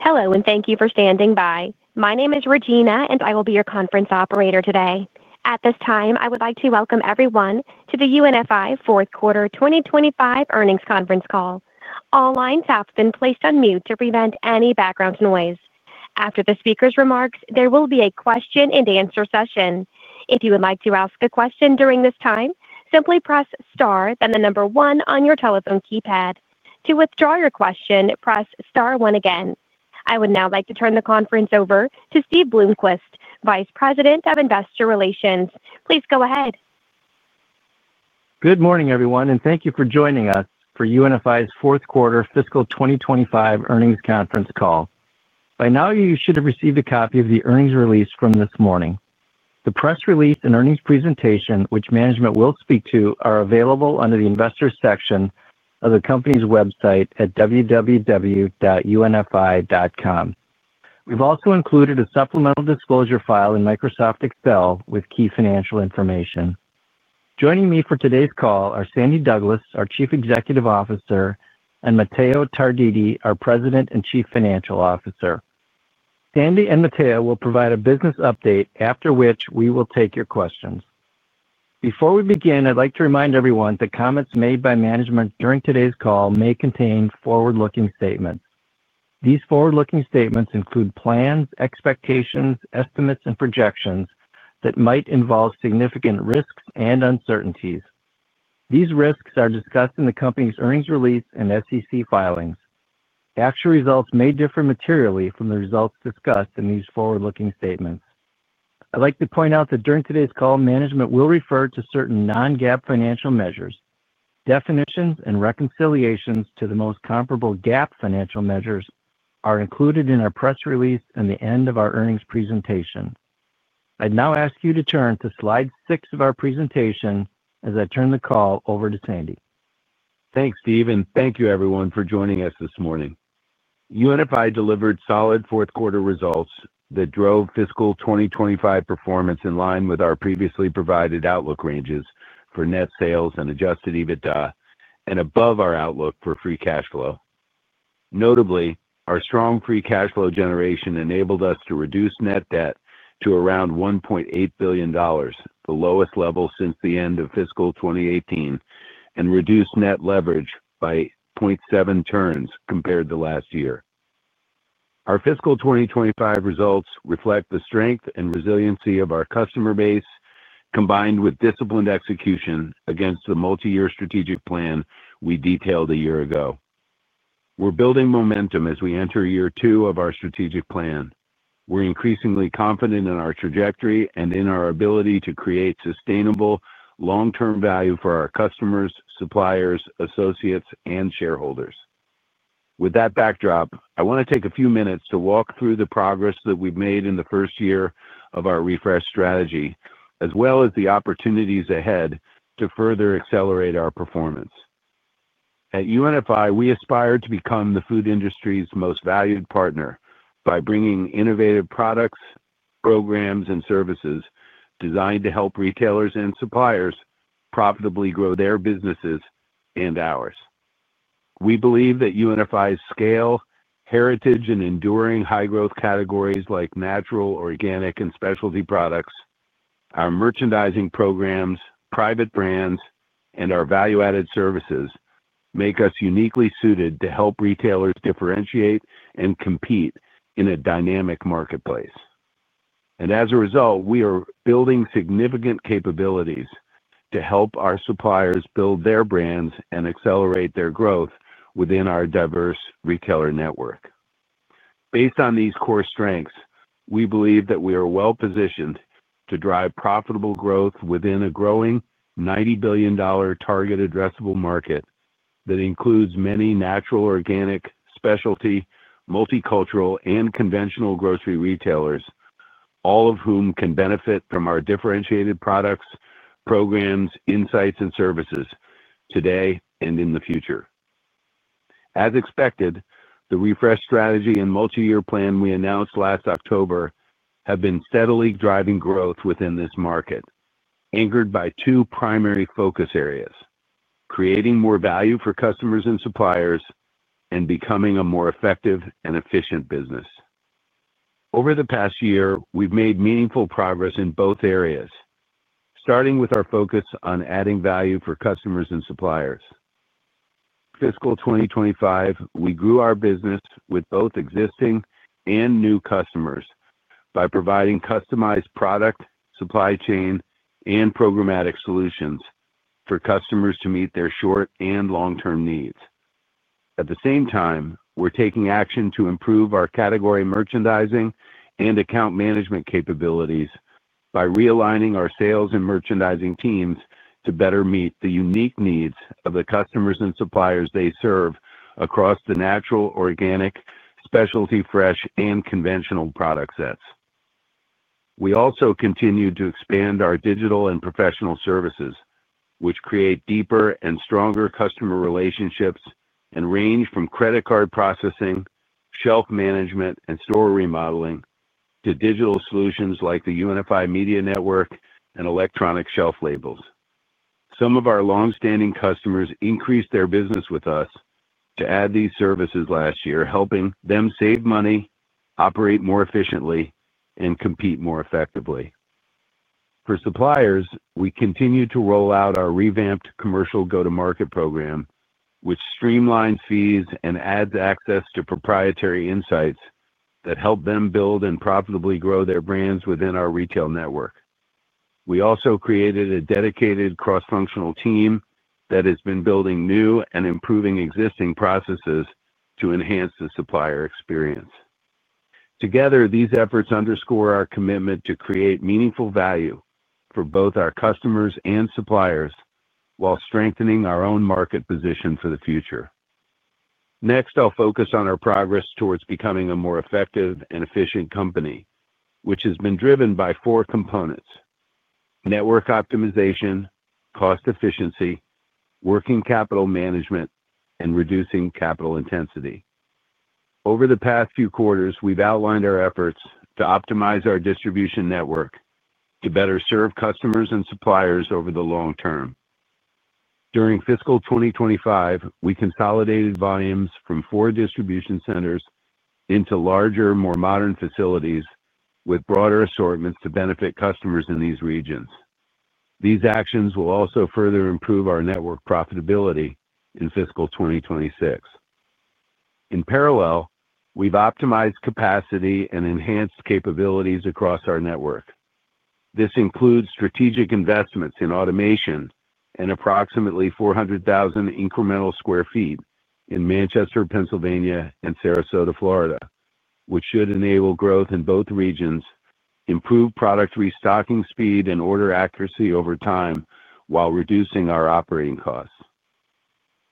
Hello and thank you for standing by. My name is Regina and I will be your conference operator today. At this time I would like to welcome everyone to the UNFI. fourth quarter 2025 earnings conference call. All lines have been placed on mute to prevent any background noise. After the speaker's remarks, there will be a question and answer session. If you would like to ask a question during this time, simply press Star then the number one on your telephone keypad. To withdraw your question, press Star one again. I would now like to turn the conference over to Steve Bloomquist, Vice President of Investor Relations. Please go ahead. Good morning everyone, and thank you for joining us for UNFI's fourth quarter fiscal. 2025 earnings conference call. By now you should have received a. Copy of the earnings release from this morning, the press release and earnings presentation, which. Management will speak to are available under. The Investors section of the company's website at www.unfi.com. We've also included a supplemental disclosure file. In Microsoft Excel with key financial information. Joining me for today's call are Sandy Douglas. Douglas, our Chief Executive Officer, and Matteo Tarditi, our President and Chief Financial Officer. Sandy and Matteo will provide a business. Update after which we will take your questions. Before we begin, I'd like to remind everyone that comments made by management during. Today's call may contain forward-looking statements. These forward-looking statements include plans, expectations, estimates, and projections that might involve significant risks and uncertainties. These risks are discussed in the company's earnings release and SEC filings. Actual results may differ materially from the results discussed in these forward-looking statements. I'd like to point out that during. Today's call management will refer to certain non-GAAP financial measures. Definitions and reconciliations to the most comparable GAAP financial measures are included in our press release and the end of our earnings presentation. I'd now ask you to turn to. Slide six of our presentation as I. Turn the call over to Sandy. Thanks, Steve, and thank you, everyone, for joining us this morning. UNFI delivered solid fourth quarter results that drove fiscal 2025 performance in line with our previously provided outlook ranges for net sales and adjusted EBITDA and above our outlook for free cash flow. Notably, our strong free cash flow generation enabled us to reduce net debt to around $1.8 billion, the lowest level since the end of fiscal 2018, and reduce net leverage by 0.7 turns compared to last year. Our fiscal 2025 results reflect the strength and resiliency of our customer base combined with disciplined execution against the multi-year strategic plan we detailed a year ago. We're building momentum as we enter year two of our strategic plan. We're increasingly confident in our trajectory and in our ability to create sustainable long-term value for our customers, suppliers, associates, and shareholders. With that backdrop, I want to take a few minutes to walk through the progress that we've made in the first year of our refresh strategy as well as the opportunities ahead to further accelerate our performance. At UNFI, we aspire to become the food industry's most valued partner by bringing innovative products, programs, and services designed to help retailers and suppliers profitably grow their businesses and ours. We believe that UNFI's scale, heritage, and enduring high-growth categories like natural, organic, and specialty products, our merchandising programs, private brands, and our value-adding services make us uniquely suited to help retailers differentiate and compete in a dynamic marketplace. As a result, we are building significant capabilities to help our suppliers build their brands and accelerate their growth within our diverse retailer network. Based on these core strengths, we believe that we are well positioned to drive profitable growth within a growing $90 billion target addressable market that includes many natural, organic, specialty, multicultural, and conventional grocery retailers, all of whom can benefit from our differentiated products, programs, insights, and services today and in the future. As expected, the refresh strategy and multi-year plan we announced last October have been steadily driving growth within this market, anchored by two primary focus areas: creating more value for customers and suppliers and becoming a more effective and efficient business. Over the past year, we've made meaningful progress in both areas, starting with our focus on adding value for customers and suppliers. In fiscal 2025, we grew our business with both existing and new customers by providing customized product, supply chain, and programmatic solutions for customers to meet their short and long term needs. At the same time, we're taking action to improve our category merchandising and account management capabilities by realigning our sales and merchandising teams to better meet the unique needs of the customers and suppliers they serve across the natural, organic, specialty, fresh, and conventional product sets. We also continue to expand our digital and professional services, which create deeper and stronger customer relationships and range from credit card processing, shelf management, and store remodeling to digital solutions like the Unified Media Network and electronic shelf labels. Some of our long-standing customers increased their business with us to add these services last year, helping them save money, operate more efficiently, and compete more effectively for suppliers. We continue to roll out our revamped commercial Go to Market program, which streamlines fees and adds access to proprietary insights that help them build and profitably grow their brands within our retail network. We also created a dedicated cross-functional team that has been building new and improving existing processes to enhance the supplier experience. Together, these efforts underscore our commitment to create meaningful value for both our customers and suppliers while strengthening our own market position for the future. Next, I'll focus on our progress towards becoming a more effective and efficient company, which has been driven by four areas: network optimization, cost efficiency, working capital management, and reducing capital intensity. Over the past few quarters, we've outlined our efforts to optimize our distribution network to better serve customers and suppliers over the long term. During fiscal 2025, we consolidated volumes from four distribution centers into larger, more modern facilities with broader assortments to benefit customers in these regions. These actions will also further improve our network profitability in fiscal 2026. In parallel, we've optimized capacity and enhanced capabilities across our network. This includes strategic investments in automation and approximately 400,000 incremental square feet in Manchester, Pennsylvania and Sarasota, Florida, which should enable growth in both regions, improve product restocking speed and order accuracy over time while reducing our operating costs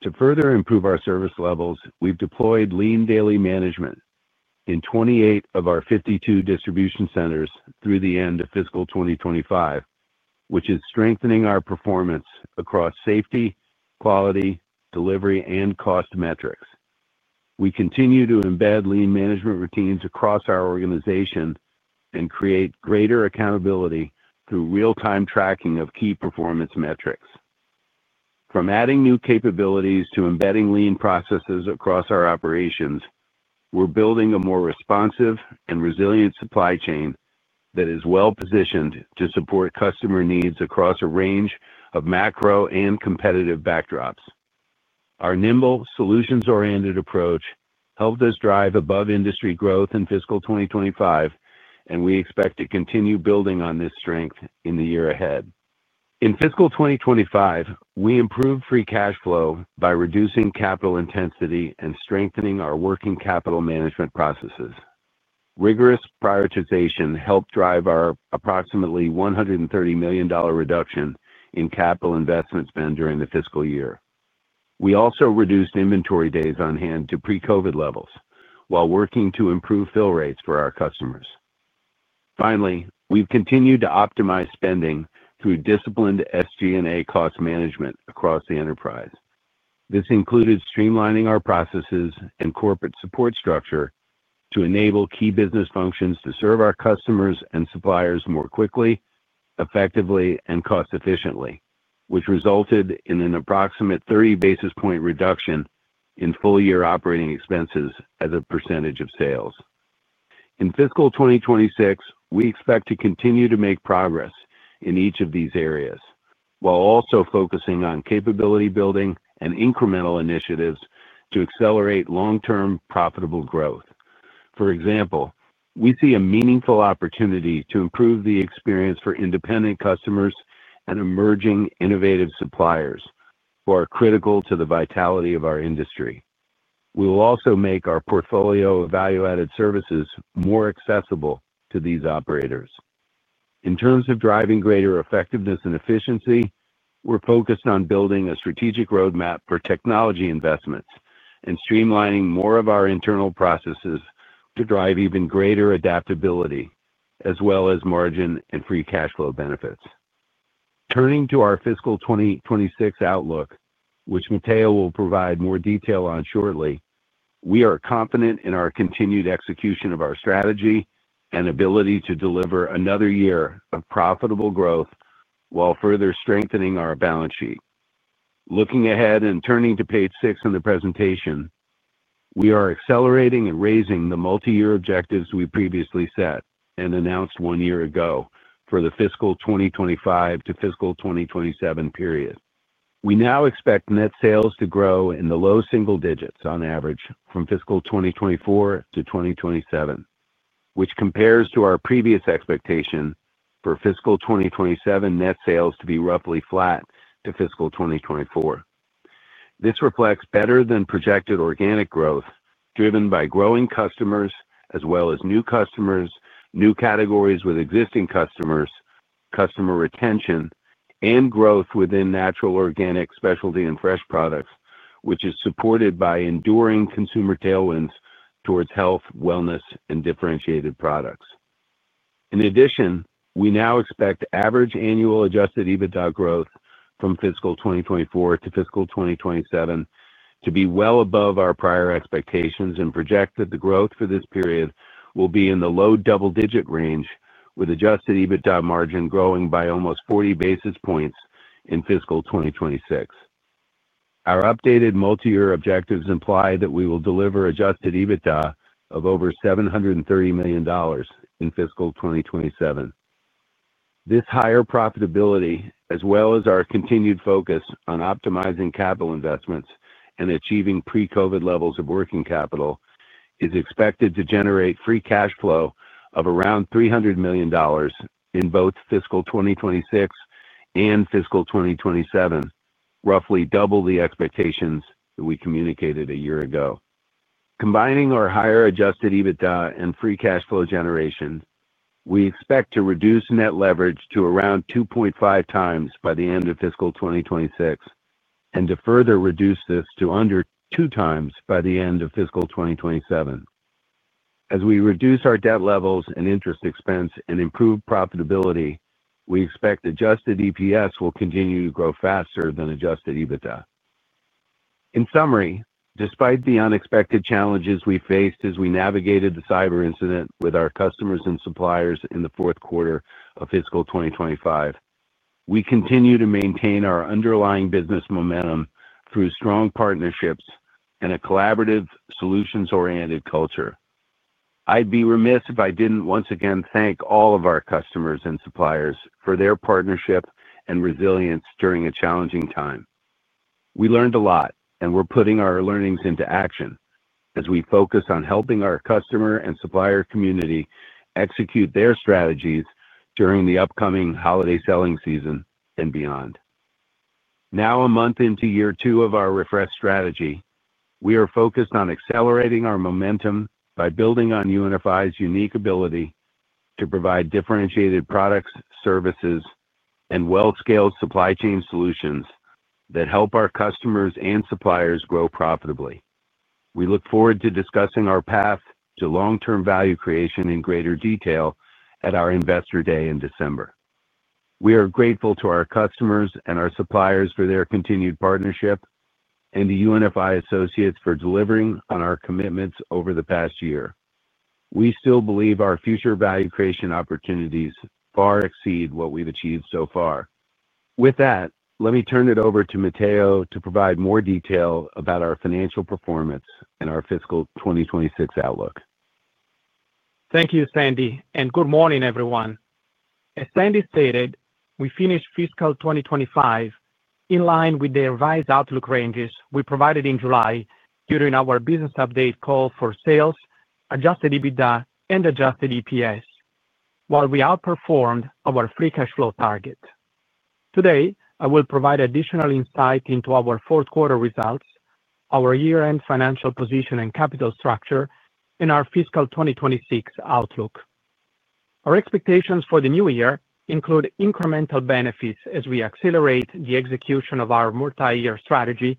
to further improve our service levels. We've deployed lean daily management in 28 of our 52 distribution centers through the end of fiscal 2025, which is strengthening our performance across safety, quality, delivery, and cost metrics. We continue to embed lean management routines across our organization and create greater accountability through real-time tracking of key performance metrics. From adding new capabilities to embedding lean processes across our operations, we're building a more responsive and resilient supply chain that is well positioned to support customer needs across a range of macro and competitive backdrops. Our nimble, solutions-oriented approach helped us drive above industry growth in fiscal 2025, and we expect to continue building on this strength in the year ahead. In fiscal 2025, we improved free cash flow by reducing capital intensity and strengthening our working capital management processes. Rigorous prioritization helped drive our approximately $130 million reduction in capital investment spend during the fiscal year. We also reduced inventory days on hand to pre-COVID levels while working to improve fill rates for our customers. Finally, we've continued to optimize spending through disciplined SG&A cost management across the enterprise. This included streamlining our processes and corporate support structure to enable key business functions to serve our customers and suppliers more quickly, effectively, and cost efficiently, which resulted in an approximate 30 basis point reduction in full-year operating expenses as a percentage of sales in fiscal 2026. We expect to continue to make progress in each of these areas while also focusing on capability building and incremental initiatives to accelerate long-term profitable growth. For example, we see a meaningful opportunity to improve the experience for independent customers and emerging, innovative suppliers who are critical to the vitality of our industry. We will also make our portfolio of value-adding supplier programs more accessible to these operators in terms of driving greater effectiveness and efficiency. We're focused on building a strategic roadmap for technology investments and streamlining more of our internal processes to drive even greater adaptability as well as margin and free cash flow benefits. Turning to our fiscal 2026 outlook, which Matteo will provide more detail on shortly, we are confident in our continued execution of our strategy and ability to deliver another year of profitable growth while further strengthening our balance sheet. Looking ahead and turning to page six in the presentation, we are accelerating and raising the multi-year objectives we previously set and announced one year ago for the fiscal 2025 to fiscal 2027 period. We now expect net sales to grow in the low single digits on average from fiscal 2024 to 2027, which compares to our previous expectation for fiscal 2027 net sales to be roughly flat to fiscal 2024. This reflects better than projected organic growth driven by growing customers as well as new customers, new categories with existing customers, customer retention, and growth within natural, organic, specialty, and fresh products, which is supported by enduring consumer tailwinds towards health, wellness, and differentiated products. In addition, we now expect average annual adjusted EBITDA growth from fiscal 2024 to fiscal 2027 to be well above our prior expectations and projected. The growth for the period will be in the low double-digit range with adjusted EBITDA margin growing by almost 40 basis points in fiscal 2026. Our updated multi-year objectives imply that we will deliver adjusted EBITDA of over $730 million in fiscal 2027. This higher profitability, as well as our continued focus on optimizing capital investments and achieving pre-COVID levels of working capital, is expected to generate free cash flow of around $300 million in both fiscal 2026 and fiscal 2027, roughly double the expectations that we communicated a year ago. Combining our higher adjusted EBITDA and free cash flow generation, we expect to reduce net leverage to around 2.5x by the end of fiscal 2026 and to further reduce this to under 2x by the end of fiscal 2027. As we reduce our debt levels and interest expense and improve profitability, we expect adjusted EPS will continue to grow faster than adjusted EBITDA. In summary, despite the unexpected challenges we faced as we navigated the cyber incident with our customers and suppliers in the fourth quarter of fiscal 2025. We continue to maintain our underlying business momentum through strong partnerships and a collaborative, solutions-oriented culture. I'd be remiss if I didn't once again thank all of our customers and suppliers for their partnership and resilience during a challenging time. We learned a lot, and we're putting our learnings into action as we focus on helping our customer and supplier community execute their strategies during the upcoming holiday selling season and beyond. Now, a month into year two of our refresh strategy, we are focused on accelerating our momentum by building on UNFI's unique ability to provide differentiated products, services, and well-scaled supply chain solutions that help our customers and suppliers grow profitably. We look forward to discussing our path to long-term value creation in greater detail at our Investor Day in December. We are grateful to our customers and our suppliers for their continued partnership and the UNFI associates for delivering on our commitments over the past year. We still believe our future value creation opportunities far exceed what we've achieved so far. With that, let me turn it over to Matteo to provide more detail about our financial performance and our fiscal 2026 outlook. Thank you, Sandy, and good morning, everyone. As Sandy stated, we finished fiscal 2025 in line with the revised outlook ranges we provided in July during our business update call for sales, adjusted EBITDA, and adjusted EPS. While we outperformed our free cash flow target, today I will provide additional insight into our fourth quarter results, our year-end financial position and capital structure, and our fiscal 2026 outlook. Our expectations for the new year include incremental benefits as we accelerate the execution of our multi-year strategy,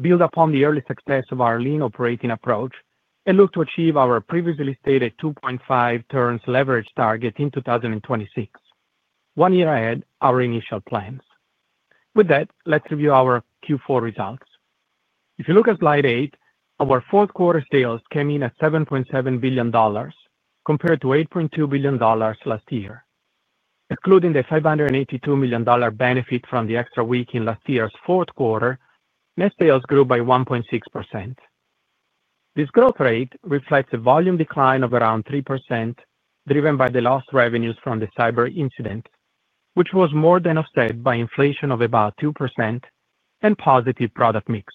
build upon the early success of our lean operating approach, and look to achieve our previously stated 2.5 turns leverage target in 2026, one year ahead of our initial plans. With that, let's review our Q4 results. If you look at Slide eight, our fourth quarter sales came in at $7.7 billion compared to $8.2 billion last year. Excluding the $582 million benefit from the extra week in last year's fourth quarter, net sales grew by 1.6%. This growth rate reflects a volume decline of around 3% driven by the lost revenues from the cyber incident, which was more than offset by inflation of about 2% and positive product mix.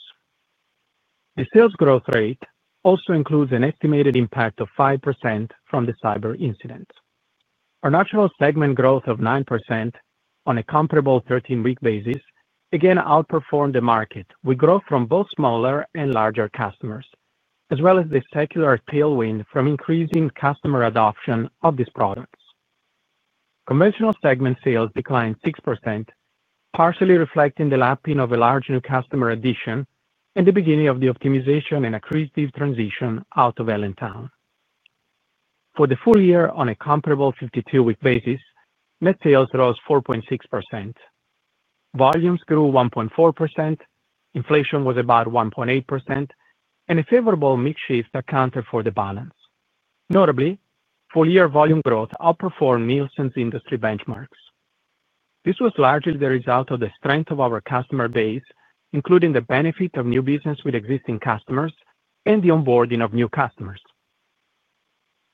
The sales growth rate also includes an estimated impact of 5% from the cyber incident. Our natural segment growth of 9% on a comparable 13-week basis again outperformed the market with growth from both smaller and larger customers as well as the secular tailwind from increasing customer adoption of these products. Conventional segment sales declined 6%, partially reflecting the lapping of a large new customer addition and the beginning of the optimization and accretive transition out of Allentown. For the full year, on a comparable 52-week basis, net sales rose 4.6%, volumes grew 1.4%, inflation was about 1.8%, and a favorable mix shift accounted for the balance. Notably, full-year volume growth outperformed Nielsen's industry benchmarks. This was largely the result of the strength of our customer base, including the benefit of new business with existing customers and the onboarding of new customers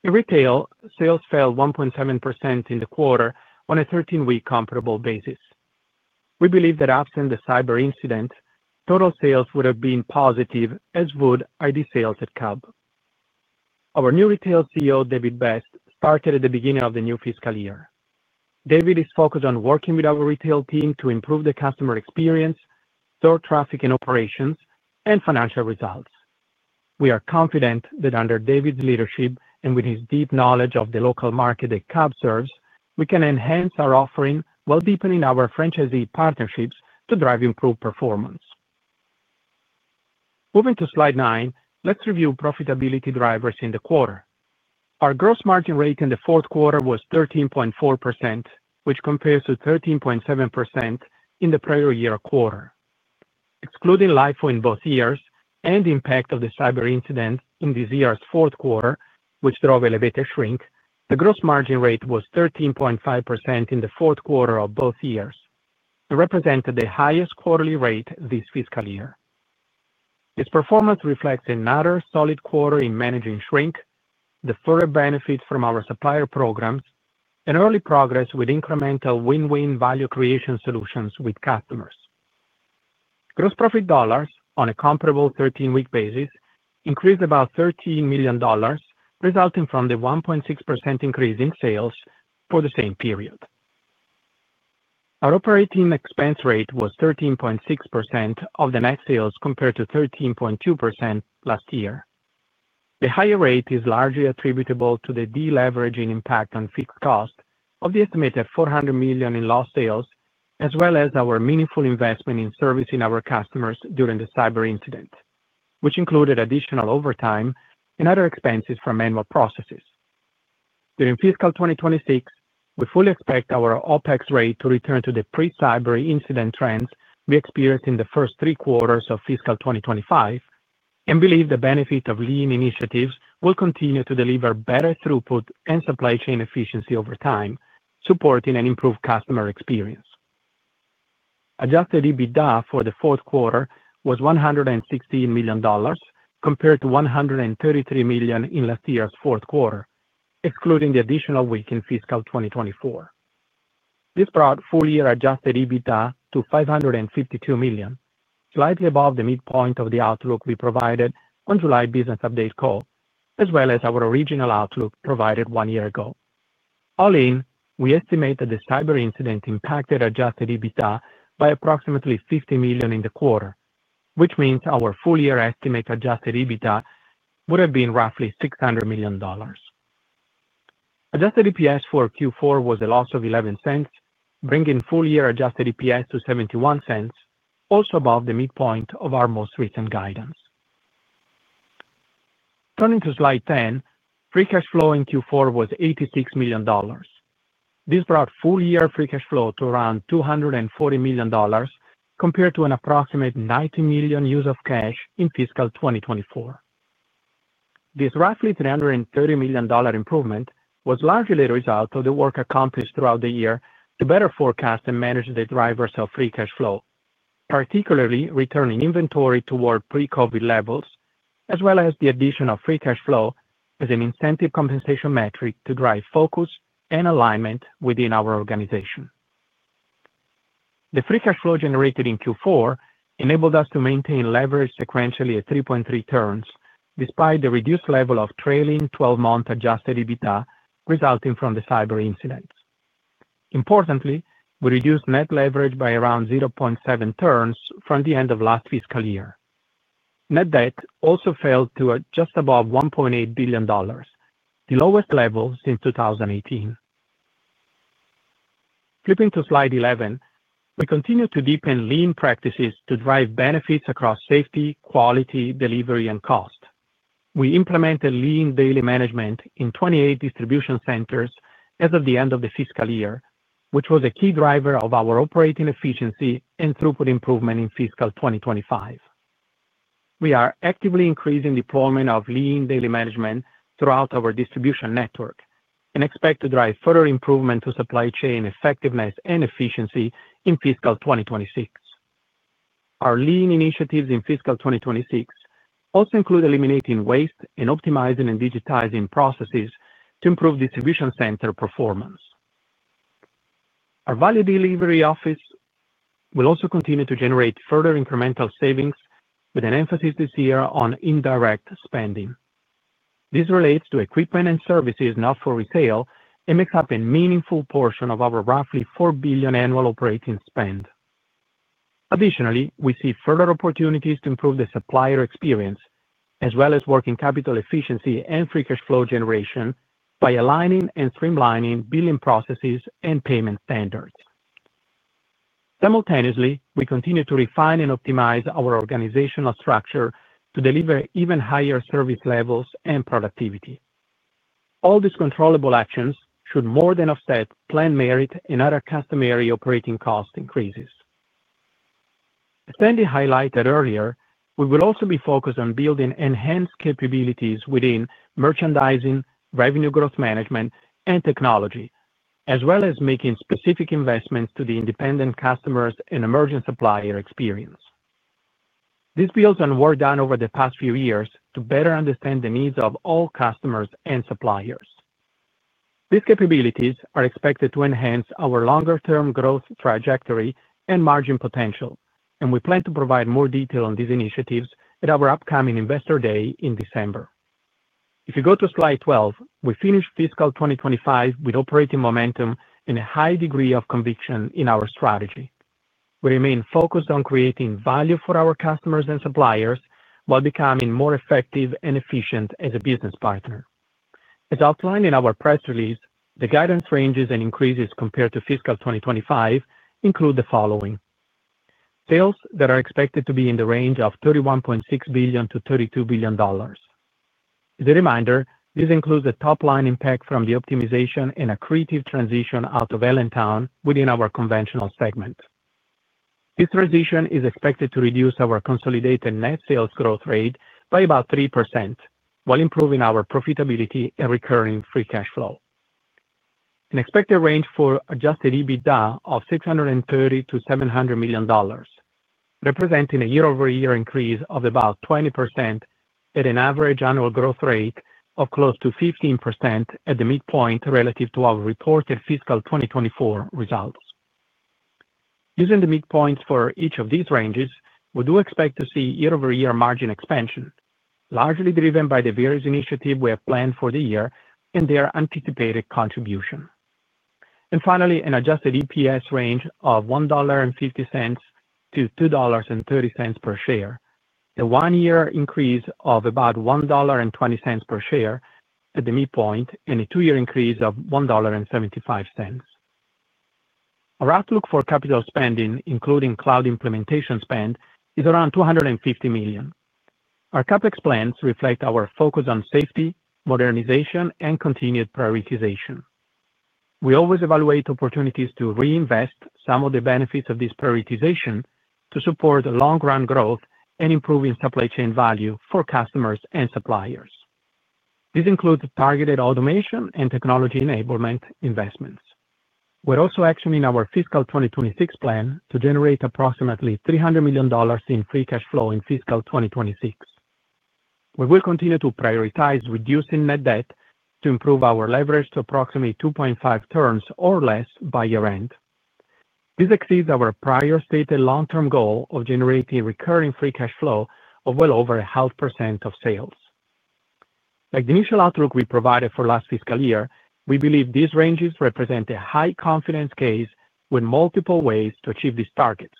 in retail. Sales fell 1.7% in the quarter on a 13-week comparable basis. We believe that absent the cyber incident, total sales would have been positive as would ID sales at Cub. Our new Retail CEO, David Best, parted at the beginning of the new fiscal year. David is focused on working with our retail team to improve the customer experience, store traffic and operations, and financial results. We are confident that under David's leadership and with his deep knowledge of the local market that CAB serves, we can enhance our offering while deepening our franchisee partnerships to drive improved performance. Moving to Slide nine, let's review profitability drivers in the quarter. Our gross margin rate in the fourth quarter was 13.4%, which compares to 13.7% in the prior year quarter. Excluding LIFO in both years and the impact of the cyber incident in this year's fourth quarter, which drove elevated shrink, the gross margin rate was 13.5% in Q4 of both years and represented the highest quarterly rate this fiscal year. This performance reflects another solid quarter in managing shrink, the further benefits from our supplier programs, and early progress with incremental Win Win value creation solutions with customers. Gross profit dollars on a comparable 13-week basis increased about $13 million, resulting from the 1.6% increase in sales for the same period. Our operating expense rate was 13.6% of net sales compared to 13.2% last year. The higher rate is largely attributable to the deleveraging impact on fixed cost of the estimated $400 million in lost sales as well as our meaningful investment in servicing our customers during the cyber incident, which included additional overtime and other expenses from manual processes during fiscal 2024. We fully expect our OpEx rate to return to the pre-cyber incident trends we experienced in the first three quarters of fiscal 2024 and believe the benefit of lean initiatives will continue to deliver better throughput and supply chain efficiency over time, supporting an improved customer experience. Adjusted EBITDA for the fourth quarter was $116 million compared to $133 million in last year's fourth quarter. Excluding the additional week in fiscal 2024, this brought full year adjusted EBITDA to $552 million, slightly above the midpoint of the outlook we provided on July Business Update call as well as our original outlook provided one year ago. All in, we estimate that the cyber incident impacted adjusted EBITDA by approximately $50 million in the quarter, which means our full year estimate adjusted EBITDA would have been roughly $600 million. Adjusted EPS for Q4 was a loss of $0.11, bringing full year adjusted EPS to $0.71, also above the midpoint of our most recent guidance. Turning to Slide 10, free cash flow in Q4 was $86 million. This brought full year free cash flow to around $240 million compared to an approximate $90 million use of cash in fiscal 2024. This roughly $330 million improvement was largely a result of the work accomplished throughout the year to better forecast and manage the drivers of free cash flow, particularly returning inventory toward pre-COVID levels as well as the addition of free cash flow as an incentive compensation metric to drive focus and alignment within our organization. The free cash flow generated in Q4 enabled us to maintain leverage sequentially at 3.3 turns despite the reduced level of trailing 12-month adjusted EBITDA resulting from the cyber incident. Importantly, we reduced net leverage by around 0.7 turns from the end of last fiscal year. Net debt also fell to just above $1.8 billion, the lowest level since 2018. Flipping to Slide 11, we continue to deepen lean practices to drive benefits across safety, quality, delivery, and cost. We implemented lean daily management in 28 distribution centers as of the end of the fiscal year, which was a key driver of our operating efficiency and throughput improvement. In fiscal 2025, we are actively increasing deployment of lean daily management throughout our distribution network and expect to drive further improvement to supply chain effectiveness and efficiency in fiscal 2026. Our lean initiatives in fiscal 2026 also include eliminating waste and optimizing and digitizing processes to improve distribution center performance. Our Value Delivery Office will also continue to generate further incremental savings with an emphasis this year on indirect spending. This relates to equipment and services not for retail and makes up a meaningful portion of our roughly $4 billion annual operating spend. Additionally, we see further opportunities to improve the supplier experience as well as working capital efficiency and free cash flow generation by aligning and streamlining billing processes and payment standards. Simultaneously, we continue to refine and optimize our organizational structure to deliver even higher service levels and productivity. All these controllable actions should more than offset planned merit and other customary operating cost increases. As Andy highlighted earlier, we will also be focused on building enhanced capabilities within merchandising, revenue growth management, and technology, as well as making specific investments to the independent customers and emerging supplier experience. This builds on work done over the past few years to better understand the needs of all customers and suppliers. These capabilities are expected to enhance our longer term growth trajectory and margin potential, and we plan to provide more detail on these initiatives at our upcoming Investor Day in December. If you go to slide 12, we finished fiscal 2025 with operating momentum and a high degree of conviction in our strategy. We remain focused on creating value for our customers and suppliers while becoming more effective and efficient as a business partner. As outlined in our press release, the guidance ranges and increases compared to fiscal 2025 include the sales that are expected to be in the range of $31.6 billion - $32 billion. As a reminder, this includes a top line impact from the optimization and accretive transition out of Allentown within our conventional segment. This transition is expected to reduce our consolidated net sales growth rate by about 3% while improving our profitability and recurring free cash flow. An expected range for adjusted EBITDA of $630 million - $700 million represents a year-over-year increase of about 20% at an average annual growth rate of close to 15% at the midpoint relative to our reported fiscal 2024 results. Using the midpoints for each of these ranges, we do expect to see year-over-year margin expansion largely driven by the various initiatives we have planned for the year and their anticipated contribution. Finally, an adjusted EPS range of $1.50 - $2.30 per share, a one year increase of about $1.20 per share at the midpoint and a two year increase of $1.75. Our outlook for capital spending, including cloud implementation spend, is around $250 million. Our CapEx plans reflect our focus on safety, modernization, and continued prioritization. We always evaluate opportunities to reinvest some of the benefits of this prioritization and to support long run growth and improving supply chain value for customers and suppliers. This includes targeted automation and technology enablement investments. We're also actioning our fiscal 2026 plan to generate approximately $300 million in free cash flow in fiscal 2026. We will continue to prioritize reducing net debt to improve our leverage to approximately 2.5 turns or less by year end. This exceeds our prior stated long term goal of generating recurring free cash flow of well over 0.5% of sales. Like the initial outlook we provided for last fiscal year, we believe these ranges represent a high confidence case with multiple ways to achieve these targets.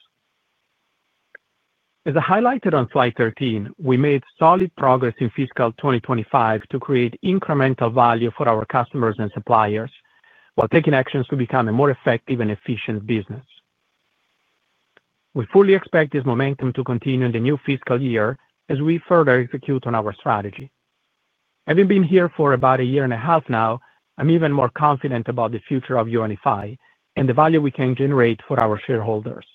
As I highlighted on Slide 13, we made solid progress in fiscal 2025 to create incremental value for our customers and suppliers while taking actions to become a more effective and efficient business. We fully expect this momentum to continue in the new fiscal year as we further execute on our strategy. Having been here for about a year and a half now, I'm even more confident about the future of UNFI and the value we can generate for our shareholders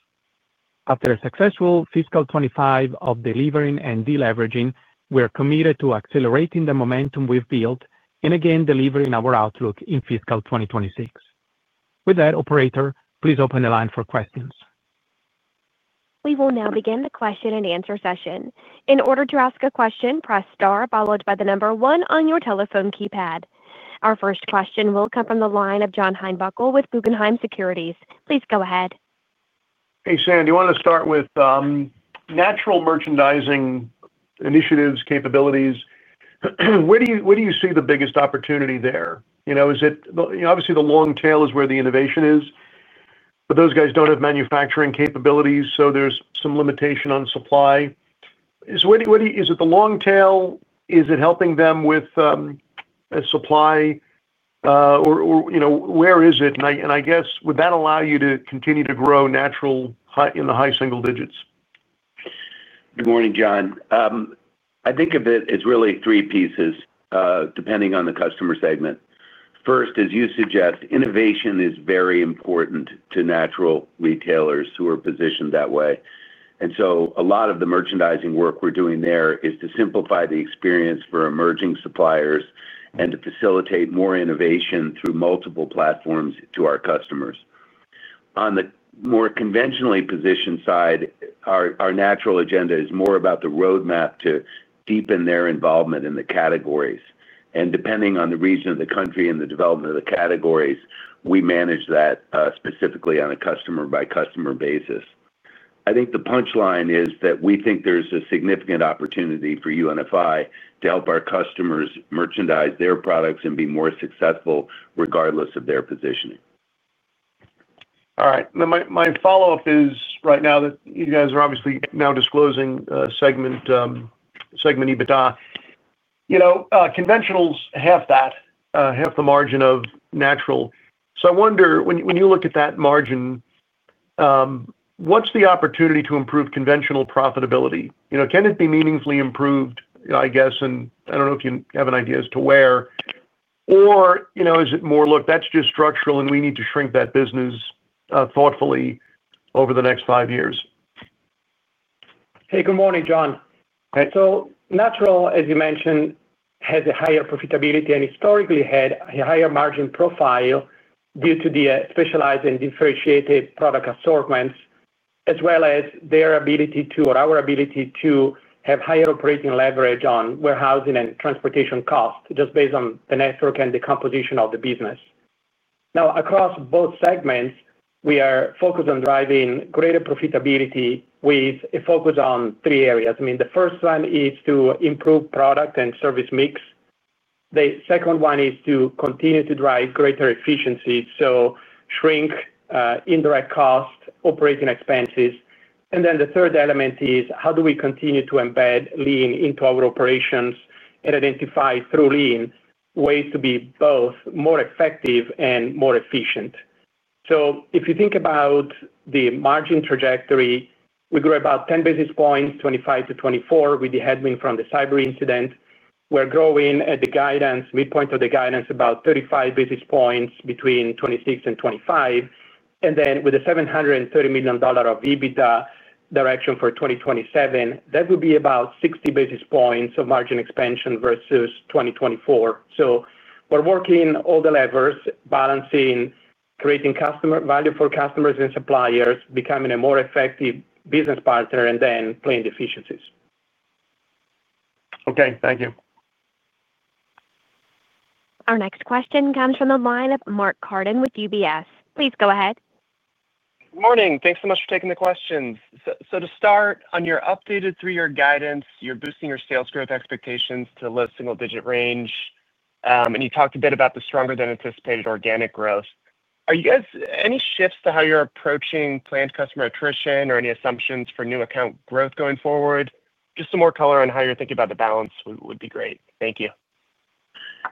after a successful fiscal 2025 of delivering and deleveraging. We are committed to accelerating the momentum we've built and again delivering our outlook in fiscal 2026. With that, operator, please open the line for questions. We will now begin the question and answer session. In order to ask a question, press Star followed by the number one on your telephone keypad. Our first question will come from the line of John Heinbockel with Guggenheim Securities. Please go ahead. Hey Sandy, I want to start with natural merchandising initiatives capabilities. Where do you see. The biggest opportunity there, you know, is it? Obviously, the long tail is where the innovation is, but those guys don't have manufacturing capabilities, so there's some limitation on supply. Is it the long tail? Is it helping them with a supply? Where is it? I guess would that allow you to continue to grow natural in the high single digits? Good morning, John. I think of it as really three pieces depending on the customer segment. First, as you suggest, innovation is very important to natural retailers who are positioned that way. A lot of the merchandising work we're doing there is to simplify the experience for emerging suppliers and to facilitate more innovation through multiple platforms to our customers. On the more conventionally positioned side, our natural agenda is more about the roadmap to deepen their involvement in the categories, and depending on the region of the country and the development of the categories, we manage that specifically on a customer-by-customer basis. I think the punchline is that we think there's a significant opportunity for UNFI to help our customers merchandise their products and be more successful regardless of their positioning. All right, my follow-up is right. Now that you guys are obviously now disclosing segment segment EBITDA, you know, conventionals. Half that, half the margin of natural products. When you look at that margin, what's the opportunity to improve conventional profitability? Can it be meaningfully improved? I guess, and I don't know if you have an idea as to where. Is it more. Look, that's just structural, and we need to shrink that business thoughtfully over the next five years. Hey, good morning, John. Natural, as you mentioned, has a higher profitability and historically had a higher margin profile due to the specialized and differentiated product assortments as well as their ability to or our ability to have higher operating leverage on warehousing and transportation costs just based on the network and the composition of the business. Now, across both segments, we are focused on driving greater profitability with a focus on three areas. The first one is to improve product and service mix. The second one is to continue to drive greater efficiency, so shrink indirect cost, operating expenses. The third element is how do we continue to embed lean into our operations and identify through lean ways to be both more effective and more efficient. If you think about the margin trajectory, we grew about 10 basis points, 2025 to 2024, with the headwind from the cyber incident. We're growing at the midpoint of the guidance about 35 basis points between 2026 and 2025. With a $730 million EBITDA direction for 2027, that would be about 60 basis points of margin expansion versus 2024. We're working all the levers, balancing, creating customer value for customers and suppliers, becoming a more effective business partner, and then plan deficiencies. Okay, thank you. Our next question comes from the line of Mark Carden with UBS. Please go ahead. Morning. Thanks so much for taking the questions. To start on your updated three year guidance, you're boosting your sales growth expectations to low single digit range. You talked a bit about the stronger than anticipated organic growth. Are you guys any shifts to how you're approaching planned customer attrition or any assumptions for new account growth going forward? Just some more color on how you're thinking about the balance would be great. Thank you.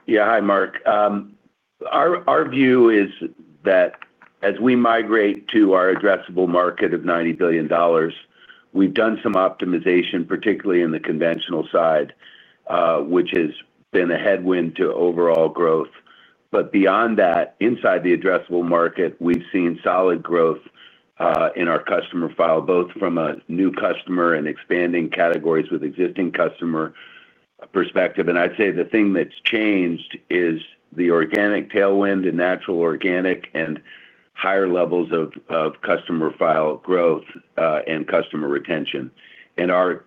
Yeah. Hi, Mark. Our view is that as we migrate to our addressable market of $90 billion, we've done some optimization, particularly in the conventional side, which has been a headwind to overall growth. Beyond that, inside the addressable market, we've seen solid growth in our customer file, both from a new customer and expanding categories with existing customer perspective. I'd say the thing that's changed is the organic tailwind in natural organic and higher levels of customer file growth and customer retention. Our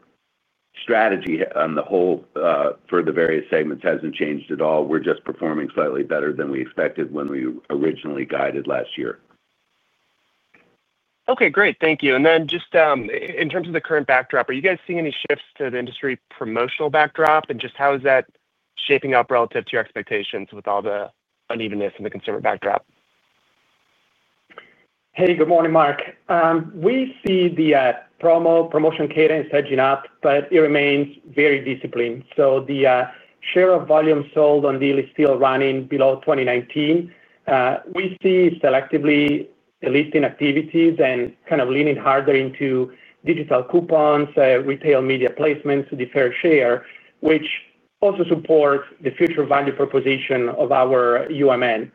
strategy on the whole for the various segments hasn't changed at all. We're just performing slightly better than we expected when we originally guided last year. Okay, great. Thank you. In terms of the current backdrop, are you guys seeing any shifts to the industry promotional backdrop, and how is that shaping up relative to your expectations with all the unevenness in the conservative backdrop? Good morning, Mark. We see the promotion cadence edging up, but it remains very disciplined. The share of volume sold on deal is still running below 2019. We see selectively lifting activities and kind of leaning harder into digital coupons and retail media placements to defer share, which also supports the future value proposition of our UMN.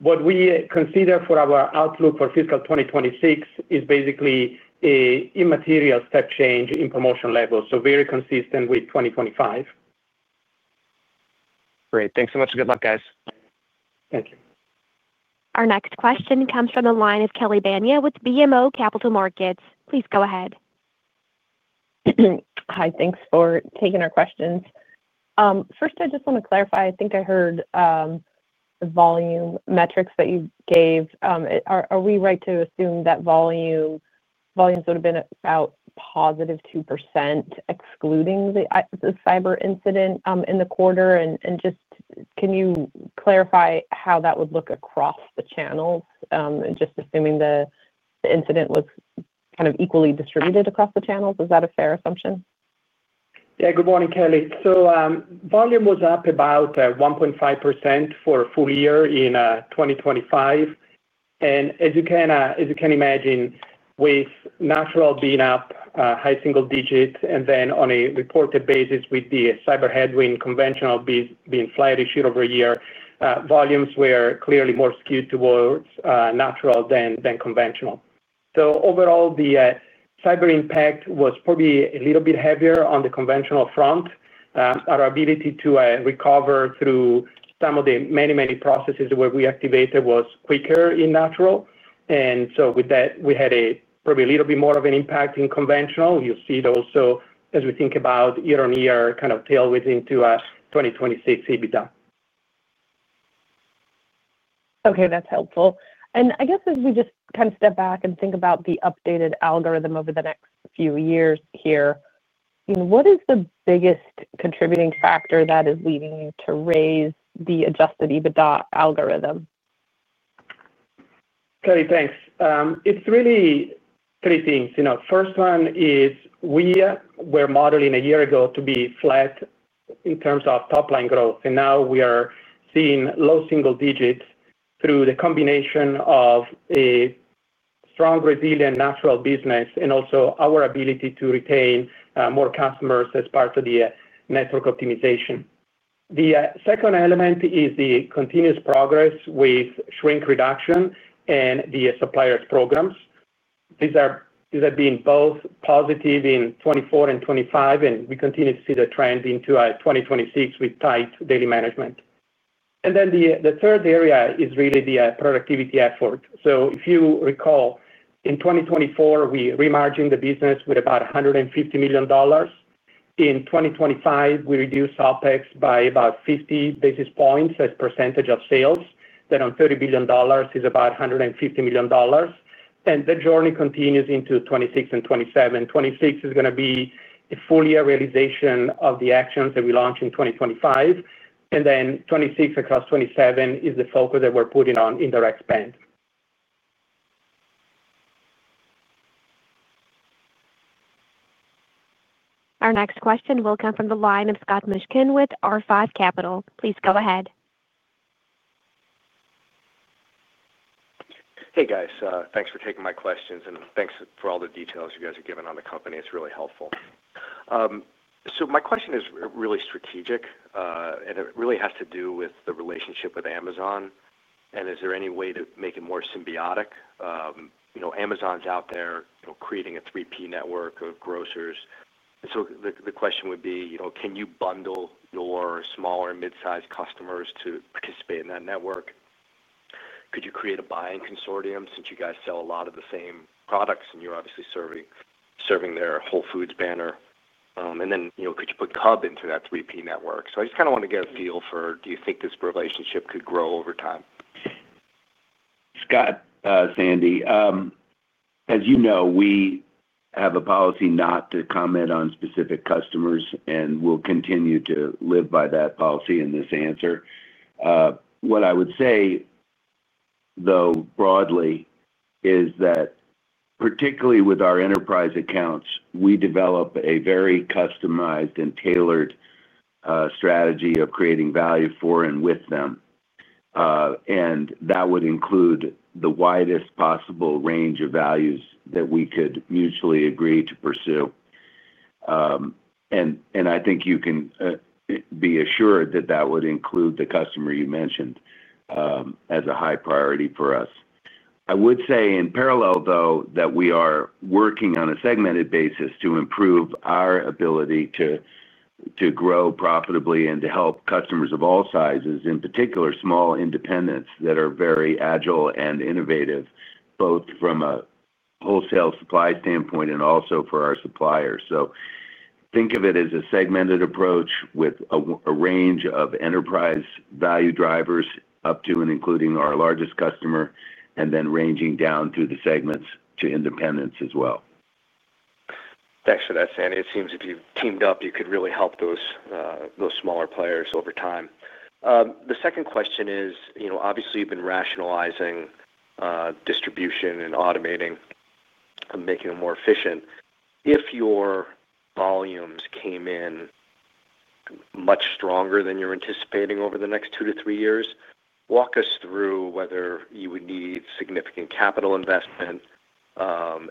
What we consider for our outlook for fiscal 2026 is basically an immaterial step change in promotion levels, very consistent with 2025. Great, thanks so much. Good luck, guys. Thank you. Our next question comes from the line of Kelly Bania with BMO Capital Markets. Please go ahead. Hi. Thanks for taking our questions. First, I just want to clarify, I think I heard volume metrics that you gave. Are we right to assume that volumes would have been about +2% excluding the cyber incident in the quarter? Can you clarify how that. Would look across the channel? Just assuming the incident was kind of equally distributed across the channels, is that a fair assumption? Yeah. Good morning, Kelly. Volume was up about 1.5% for a full year in 2025. As you can imagine, with natural being up high single digit and then on a reported basis with the cyber headwind, conventional being flat-ish year-over-year, volumes were clearly more skewed towards natural than conventional. Overall, the cyber impact was probably a little bit heavier on the conventional front. Our ability to recover through some of the many, many processes we activated was quicker in natural. With that, we had probably a little bit more of an impact in conventional. You'll see it also as we think about year-on-year kind of tailwinds into a 2026 adjusted EBITDA. Okay, that's helpful. As we just kind of step back and think about the updated algorithm over the next few years here, what is the biggest contributing factor that is leading you to raise the adjusted EBITDA algorithm? Kelly, thanks. It's really three things, you know. First one is we were modeling a year ago to be flat in terms of top line growth, and now we are seeing low single digits through the combination of a strong, resilient natural business and also our ability to retain more customers as part of the network optimization. The second element is the continuous progress with shrink reduction and the supplier programs. These have been both positive in 2024 and 2025, and we continue to see the trend into 2026 with tight daily management. The third area is really the productivity effort. If you recall, in 2024 we remargined the business with about $150 million. In 2025 we reduced OpEx by about 50 basis points as a percentage of sales. That on $30 billion is about $150 million. The journey continues into 2026 and 2027. 2026 is going to be a full year realization of the actions that we launch in 2025. 2026 across 2027 is the focus that we're putting on indirect spend. Our next question will come from the line of Scott Mushkin with R5 Capital. Please go ahead. Hey guys, thanks for taking my questions and thanks for all the details. Guys are giving on the company. It's really helpful. My question is really strategic and it really has to do with the relationship with Amazon and is there any way to make it more symbiotic? Amazon's out there creating a 3P network of grocers. The question would be, can you bundle your smaller and mid sized customers to participate in that network? Could you create a buying consortium since you guys sell a lot of the same products and you're obviously serving their Whole Foods banner and then, you know, could you put Cub into that 3P network? I just kind of want to get a feel for. Do you think this relationship could grow over time? Scott? Sandy, as you know, we have a policy not to comment on specific customers and we'll continue to live by that policy in this answer. What I would say though broadly is that particularly with our enterprise accounts, we develop a very customized and tailored strategy of creating value for and with them. That would include the widest possible range of values that we could mutually agree to pursue. I think you can be assured that that would include the customer you mentioned as a high priority for us. I would say in parallel though that we are working on a segmented basis to improve our ability to grow profitably and to help customers of all sizes, in particular small independents that are very agile and innovative, both from a wholesale supply standpoint and also for our suppliers. Think of it as a segmented approach with a range of enterprise value drivers up to and including our largest customer and then ranging down through the segments to independents as well. Thanks for that, Sandy. It seems if you've teamed up, you could really help those smaller players over time. The second question is, you know, obviously you've been rationalizing distribution and automating, making it more efficient. If your volumes came in much stronger than you're anticipating over the next two to three years, walk us through whether you would need significant capital investment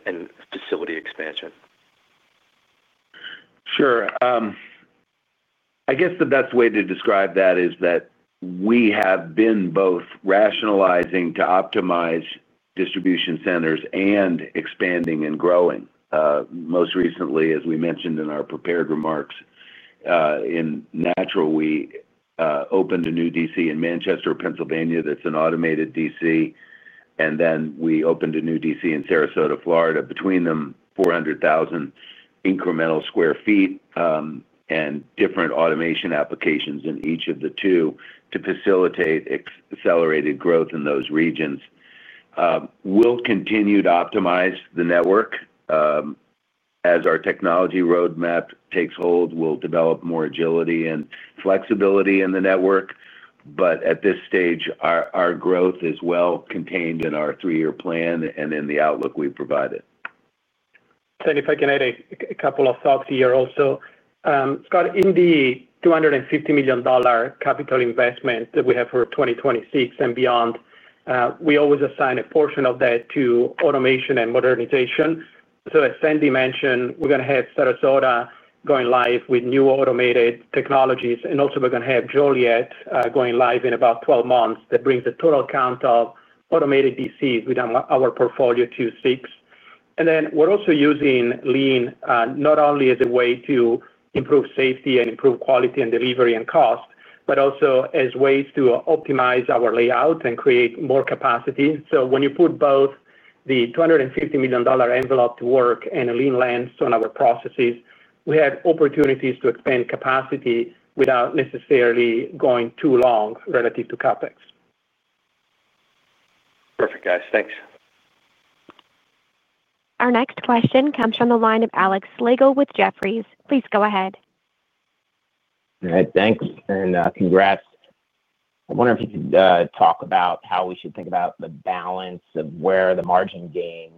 and facility expansion. Sure. I guess the best way to describe that is that we have been both rationalizing to optimize distribution centers and expanding and growing. Most recently, as we mentioned in our prepared remarks in Natural, we opened a new DC in Manchester, Pennsylvania. That's an automated DC. Then we opened a new DC in Sarasota, Florida. Between them, 400,000 incremental square feet and different automation applications in each of the two to facilitate accelerated growth in those regions. We will continue to optimize the network as our technology roadmap takes hold, and we will develop more agility and flexibility in the network. At this stage, our growth is well contained in our three year plan and in the outlook we provided. If I can add a couple of thoughts here also, Scott, in the $250 million capital investment that we have for 2026 and beyond, we always assign a portion of that to automation and modernization. As Sandy mentioned, we're going to have Sarasota going live with new automated technologies and also we're going to have Joliet going live in about 12 months. That brings a total count of automated distribution centers within our portfolio to six. We're also using Lean not only as a way to improve safety and improve quality and delivery and cost, but also as ways to optimize our layout and create more capacity. When you put both the $250 million envelope to work and a Lean lens on our processes, we have opportunities to expand capacity without necessarily going too long relative to CapEx. Perfect, guys. Thanks. Our next question comes from the line of Alex Slagle with Jefferies. Please go ahead. All right, thanks and congrats. I wonder if you could talk about. How we should think about the balance. Of where the margin gain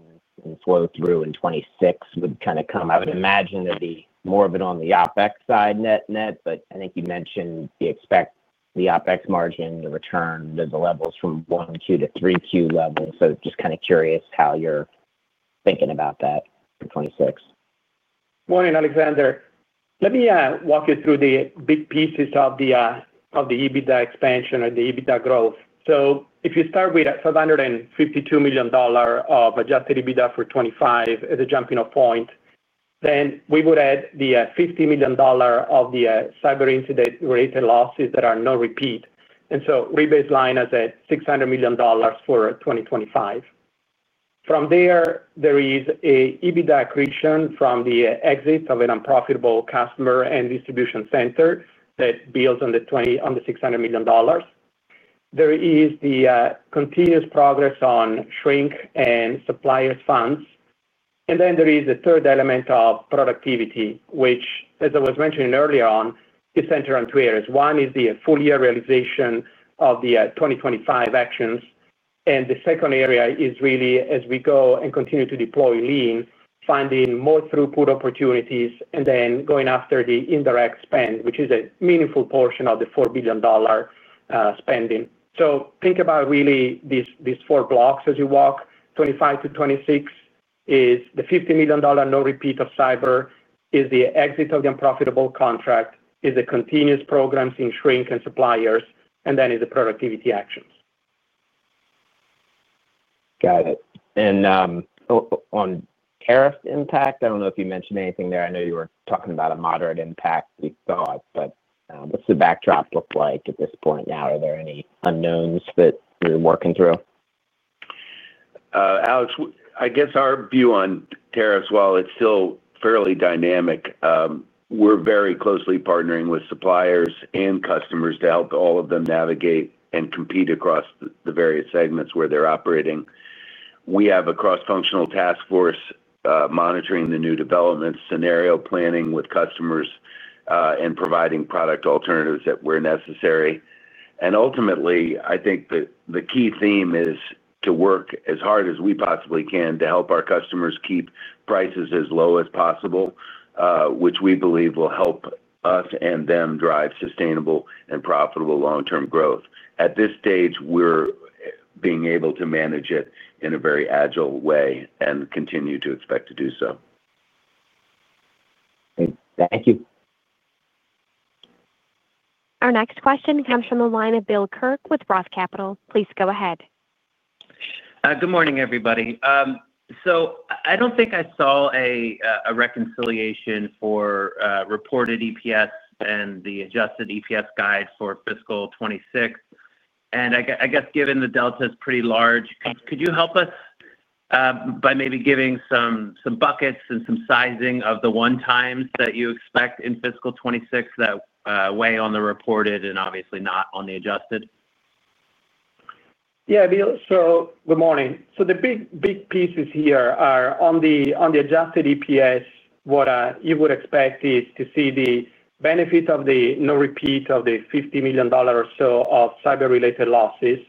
will flow. Through in 2026 would kind of come. I would imagine there'd be more of it on the OpEx side, net net. I think you mentioned you expect the OpEx margin, the return of the. Levels from 1Q to 3Q levels. Just kind of curious how you're thinking about that for 2026. Morning, Alexander. Let me walk you through the big pieces of the EBITDA expansion or the EBITDA growth. If you start with $752 million of adjusted EBITDA for 2025 as a jumping off point, then we would add the $50 million of the cyber incident related losses that are no repeat and so re-baseline as $600 million for 2025. From there, there is EBITDA accretion from the exit of an unprofitable customer and distribution center that builds on the $600 million. There is the continuous progress on shrink and supplier funds, and then there is the third element of productivity, which, as I was mentioning earlier on, is centered on three areas. One is the full year realization of the 2025 actions, and the second area is really as we go and continue to deploy lean, finding more throughput opportunities, and then going after the indirect spend, which is a meaningful portion of the $4 billion spending. Think about really these four blocks as you walk 2025 to 2026: the $50 million no repeat of cyber, the exit of the unprofitable contract, the continuous programs in shrink and suppliers, and then the productivity actions. Got it. On tariff impact, I don't know. If you mentioned anything there, I know you were talking about a moderate impact you thought. What does the backdrop look like at this point now? Are there any unknowns that you're working through? I guess our view on tariffs, while it's still fairly dynamic, we're very closely partnering with suppliers and customers to help all of them navigate and compete across the various segments where they're operating. We have a cross-functional task force monitoring the new development scenario, planning with customers and providing product alternatives that were necessary. Ultimately, I think that the key theme is to work as hard as we possibly can to help our customers keep prices as low as possible, which we believe will help us and them drive sustainable and profitable long-term growth. At this stage, we're being able to manage it in a very agile way and continue to expect to do so. Thank you. Our next question comes from the line of Bill Kirk with ROTH Capital. Please go ahead. Good morning everybody. I don't think I saw a. Reconciliation for reported EPS and the adjusted. EPS guide for fiscal 2026, and I guess given the delta is pretty large, could you help us by maybe giving some buckets and some sizing of the one-times that you expect in fiscal. 2026 that weigh on the reported and obviously not on the adjusted. Yeah, Bill. Good morning. The big pieces here are on the adjusted EPS. What you would expect is to see the benefit of the no repeat of the $50 million or so of cyber related losses.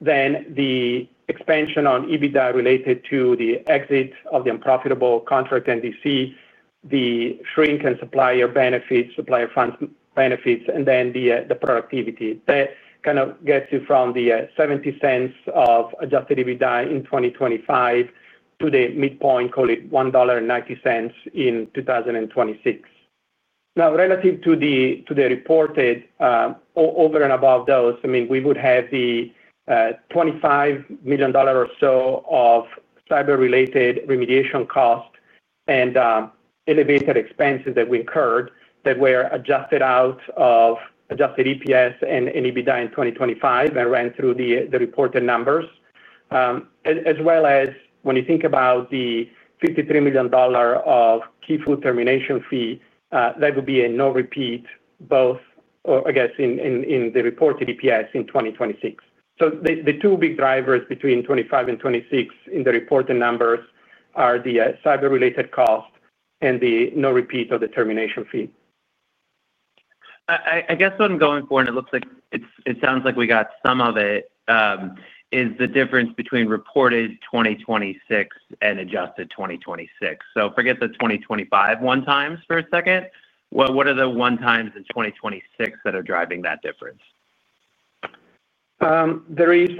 The expansion on EBITDA is related to the exit of the unprofitable contract, NDC, the shrink and supplier benefits, supplier funds benefits, and then the productivity that kind of gets you from the $0.70 of adjusted EBITDA in 2025 to the midpoint, call it $1.90 in 2026. Now, relative to the reported, over and above those, we would have the $25 million or so of cyber related remediation cost and elevated expenses that we incurred that were adjusted out of adjusted EPS and EBITDA in 2025. I ran through the reported numbers as well as when you think about the $53 million of TFood termination fee, that would be a no repeat both, I guess, in the reported EPS in 2026. The two big drivers between 2025 and 2026 in the reported numbers are the cyber related cost and the no repeat of the termination fee. I guess what I'm going for, and it looks like it's, it sounds like. We got some of it. Difference between reported 2026 and adjusted 2026. Forget the 2025 one times for a second. What are the one times in 2026 that are driving that difference? There is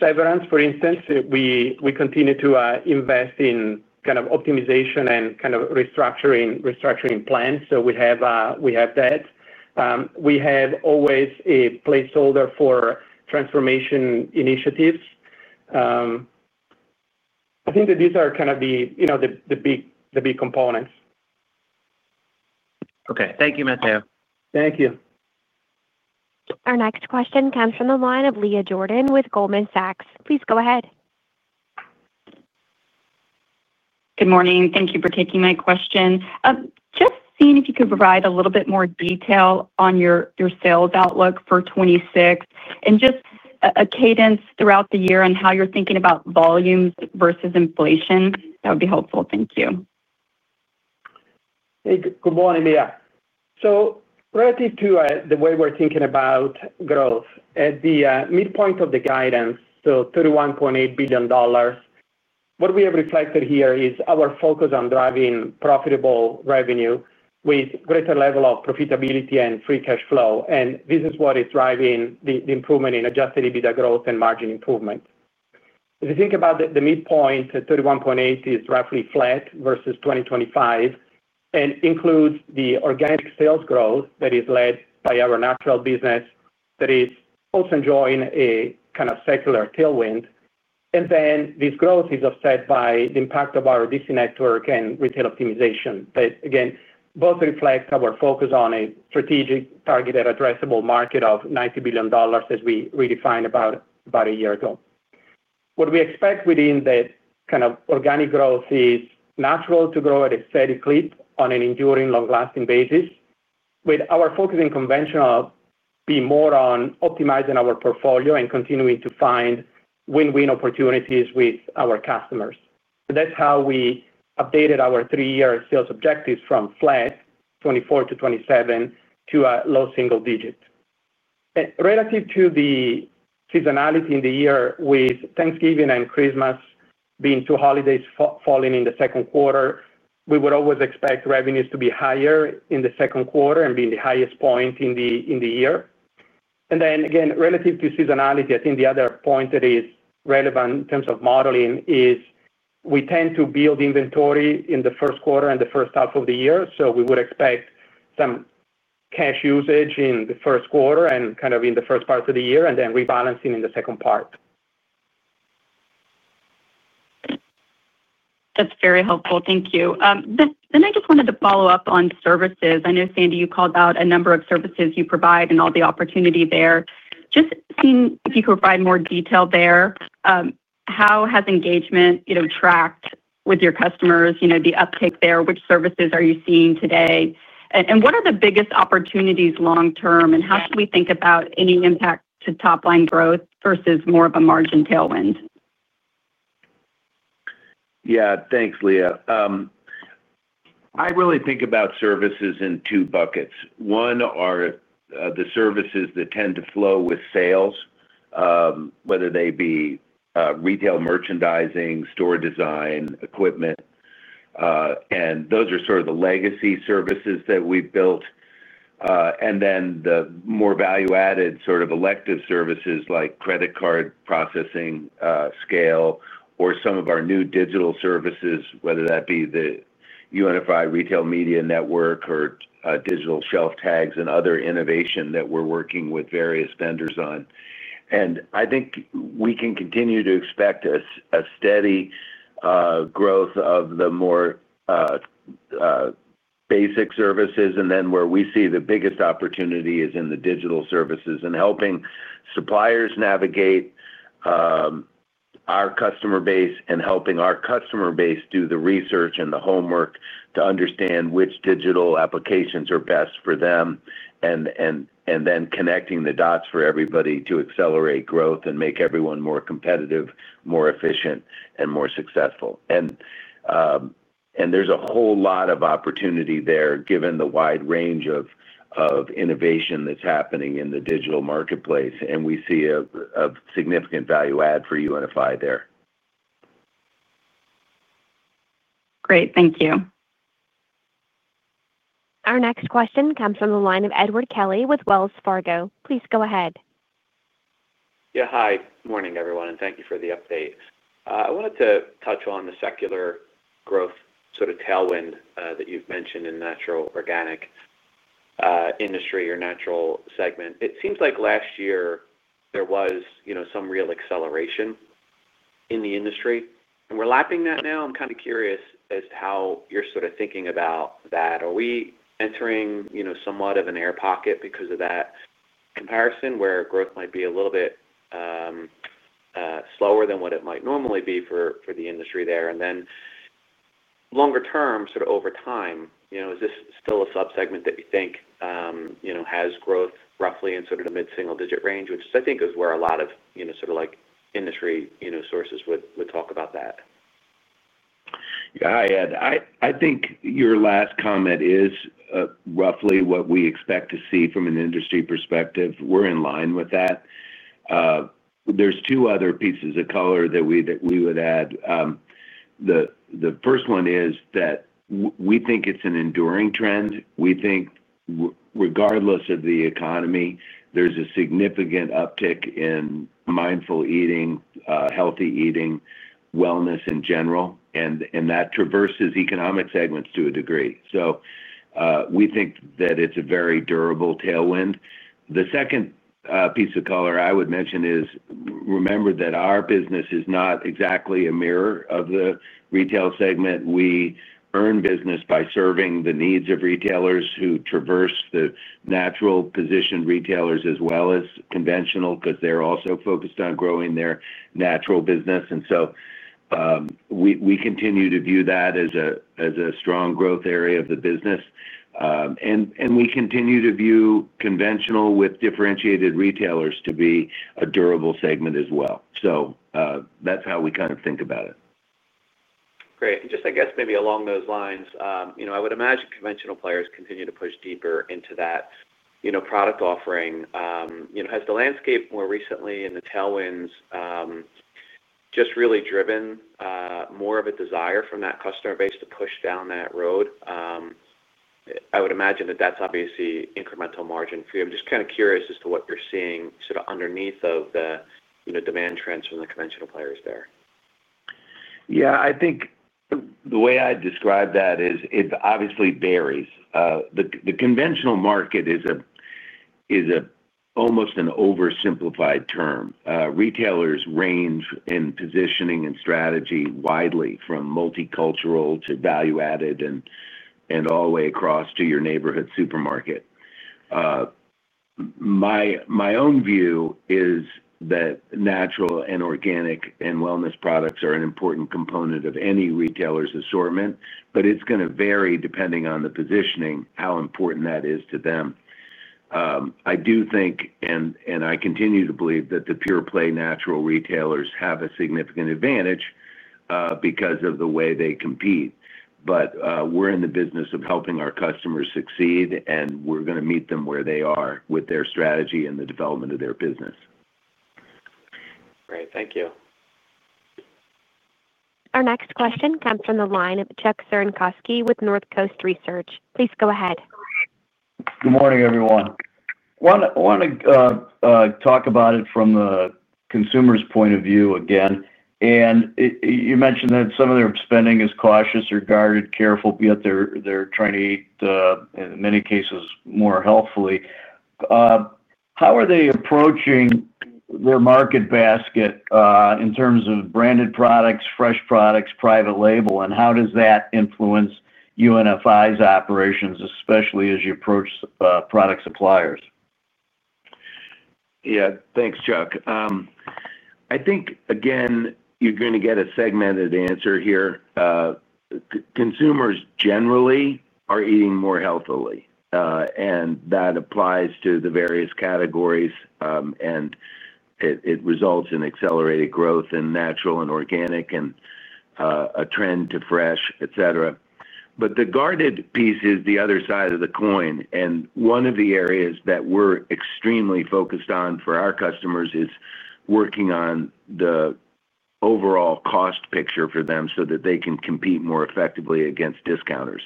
severance. For instance, we continue to invest in kind of optimization and kind of restructuring, restructuring plans. We have that. We had always a placeholder for transformation initiatives. I think that these are kind of the, you know, the big components. Okay, thank you, Matteo. Thank you. Our next question comes from the line of Leah Jordan with Goldman Sachs. Please go ahead. Good morning. Thank you for taking my question. Just seeing if you could provide a little bit more detail on your sales outlook for 2026 and just a cadence throughout the year and how you're thinking about volumes versus inflation. That would be helpful. Thank you. Good morning, Leah. Relative to the way we're thinking about growth at the midpoint of the guidance, $31.8 billion, what we have reflected here is our focus on driving profitable revenue with greater level of profitability and free cash flow. This is what is driving the improvement in adjusted EBITDA growth and margin improvement. If you think about the midpoint, $31.8 billion is roughly flat versus 2025 and includes the organic sales growth that is led by our natural business that is also enjoying a kind of secular tailwind. This growth is offset by the impact of our distribution center network and retail optimization. Both reflect our focus on a strategic, targeted, addressable market of $90 billion. As we redefined about a year ago, what we expect within that kind of organic growth is natural to grow at a steady clip on an enduring, long-lasting basis. With our focus in conventional, we are more on optimizing our portfolio and continuing to find win-win opportunities with our customers. That's how we updated our three-year sales objectives from flat 2024 to 2027 to a low single digit relative to the seasonality in the year. With Thanksgiving and Christmas being two holidays falling in the second quarter, we would always expect revenues to be higher in the second quarter and being the highest point in the year relative to seasonality. The other point that is relevant in terms of modeling is we tend to build inventory in the first quarter and the first half of the year. We would expect some cash usage in the first quarter and in the first part of the year and then rebalancing in the second part. That's very helpful, thank you. I just wanted to follow up on services. I know, Sandy, you called out a number of services you provide and all the opportunity there. Just seeing if you could provide more detail there. How has engagement tracked with your customers, you know, the uptick there? Which services are you seeing today and what are the biggest opportunities long term? How should we think about any impact to top line growth versus more of a margin tailwind? Yeah, thanks, Leah. I really think about services in two buckets. One are the services that tend to flow with sales, whether they be retail, merchandising, store design equipment, and those are sort of the legacy services that we built. The more value-adding, sort of elective services like credit card processing, scale, or some of our new digital services, whether that be the unified retail media network or digital shelf tags and other innovation that we're working with various vendors on, are also important. I think we can continue to expect a steady growth of the more basic services. Where we see the biggest opportunity is in the digital services and helping suppliers navigate our customer base and helping our customer base do the research and the homework to understand which digital applications are best for them, then connecting the dots for everybody to accelerate growth and make everyone more competitive, more efficient, and more successful. There is a whole lot of opportunity there given the wide range of innovation that's happening in the digital marketplace, and we see a significant value add for UNF there. Great, thank you. Our next question comes from the line of Edward Kelly with Wells Fargo. Please go ahead. Yeah, hi, morning everyone and thank you for the update. I wanted to touch on the secular growth sort of tailwind that you've mentioned in natural, organic industry or natural segment. It seems like last year there was some real acceleration in the industry and we're lapping that now. I'm kind of curious as to how you're sort of thinking about that. Are we entering somewhat of an air pocket because of that comparison where growth might be a little bit slower than what it might normally be for the industry there, and then longer term sort of over time? Is this still a subsegment that you think has growth roughly in sort of the mid single digit range, which I think is where a lot of sort of like industry sources would. Would talk about that? I think your last comment is roughly what we expect to see from an industry perspective. We're in line with that. There are two other pieces of color that we would add. The first one is that we think it's an enduring trend. We think regardless of the economy, there's a significant uptick in mindful eating, healthy eating, wellness in general, and that traverses economic segments to a degree. We think that it's a very durable tailwind. The second piece of color I would mention is remember that our business is not exactly a mirror of the retail segment. We earn business by serving the needs of retailers who traverse the natural positioned retailers as well as conventional because they're also focused on growing their natural business. We continue to view that as a strong growth area of the business, and we continue to view conventional with differentiated retailers to be a durable segment as well. That's how we kind of think about it. Great. Just maybe along those lines, I would imagine conventional players continue to push deeper into that product offering. Has the landscape more recently in the tailwinds just really driven more of a desire from that customer base to push down that road? I would imagine that that's obviously incremental margin for you. I'm just kind of curious as to what you're seeing sort of underneath the demand trends from the conventional players there. I think the way I describe that is it obviously varies. The conventional market is almost an oversimplified term. Retailers range in positioning and strategy widely from multicultural to value added and all the way across to your neighborhood supermarket. My own view is that natural and organic and wellness products are an important component of any retailer's assortment, but it's going to vary depending on the positioning how important that is to them. I do think, and I continue to believe, that the pure play natural retailers have a significant advantage because of the way they compete. We're in the business of helping our customers succeed, and we're going to meet them where they are with their strategy and the development of their business. Great, thank you. Our next question comes from the line of Chuck Cerankosky with Northcoast Research. Please go ahead. Good morning, everyone. I want to talk about it from the consumer's point of view again. You mentioned that some of their spending is cautious or guarded, careful that they're trying to eat in many cases more healthfully. How are they approaching their market basket in terms of branded products, fresh products, private label, and how does that influence UNFI's operations, especially as you approach product suppliers? Yeah, thanks, Chuck. I think again you're going to get a segmented answer here. Consumers generally are eating more healthily and that applies to the various categories, and it results in accelerated growth in natural and organic and a trend to fresh, etc. The guarded piece is the other side of the coin. One of the areas that we're extremely focused on for our customers is working on the overall cost picture for them so that they can compete more effectively against discounters.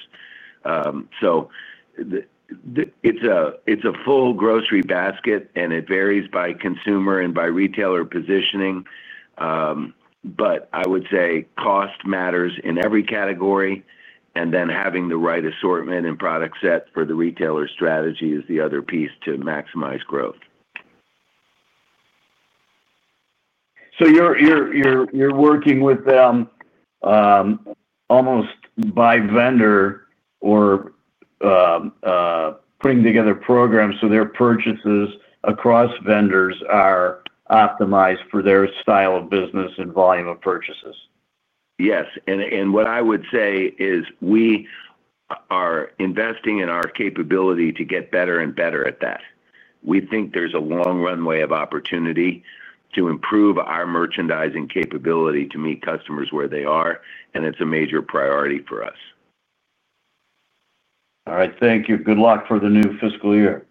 It's a full grocery basket and it varies by consumer and by retailer positioning. I would say cost matters in every category. Having the right assortment and product set for the retailer strategy is the other piece to maximize growth. You're working with them almost by vendor or putting together programs so their purchases across vendors are optimized for their style of business and volume of purchases. Yes. What I would say is we are investing in our capability to get better and better at that. We think there's a long runway of opportunity to improve our merchandising capability to meet customers where they are. It's a major priority for us. All right, thank you. Good luck for the new fiscal year.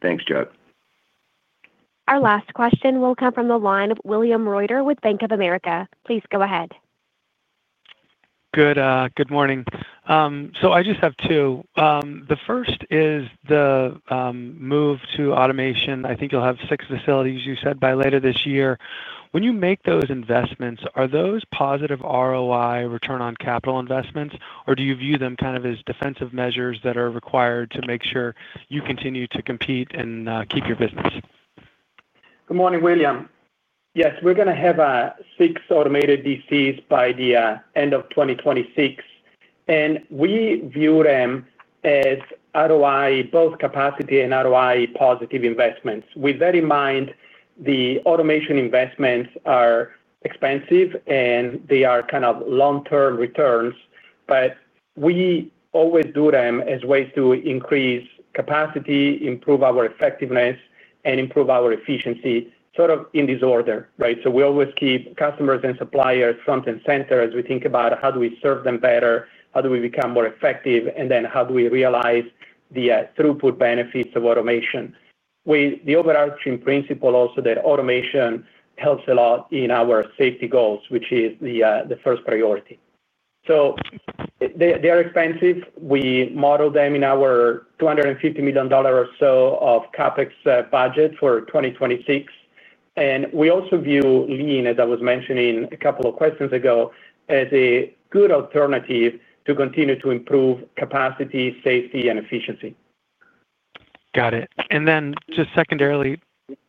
Thanks, Chuck. Our last question will come from the line of William Reuter with Bank of America. Please go ahead. Good. Good morning. I just have two. The first is the move to automation. I think you'll have six facilities, you said by later this year. When you make those investments, are those positive ROI return on capital investments or do you view them kind of as defensive measures that are required to ensure you continue to compete and keep your business? Good morning, William. Yes, we're going to have six automated DCs by the end of 2026. We view them as ROI, both capacity and ROI positive investments. With that in mind, the automation investments are expensive and they are kind of long-term returns. We always do them as ways to increase capacity, improve our effectiveness, and improve our efficiency, sort of in this order. We always keep customers and suppliers front and center as we think about how do we serve them better, how do we become more effective, and then how do we realize the throughput benefits of automation. The overarching principle is also that automation helps a lot in our safety goals, which is the first priority. They are expensive. We model them in our $250 million or so of CapEx budget for 2026. We also view Lean, as I was mentioning a couple of questions ago, as a good alternative to continue to improve capacity, safety, and efficiency. Got it. Just secondarily